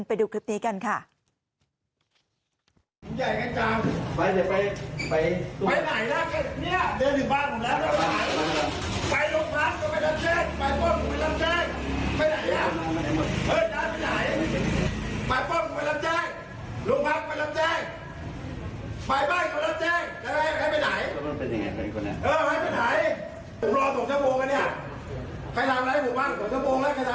ไปป้องก็ไปรับแจ้งลูกบ้านก็ไปรับแจ้ง